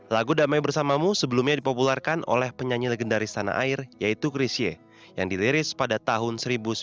lagu damai bersamamu sebelumnya dipopulerkan oleh penyanyi legendaris tanah air yaitu chris ye yang diriris pada tahun seribu sembilan ratus sembilan puluh